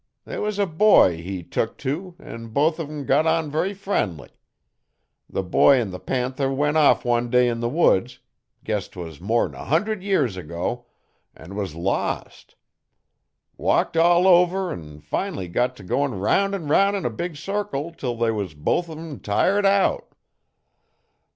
They wuz a boy he tuk to, an' both on 'em got very friendly. The boy 'n the panther went off one day 'n the woods guess 'twas more 'n a hundred year ago an' was lost. Walked all over 'n fin'ly got t' goin' round 'n round 'n a big circle 'til they was both on 'em tired out.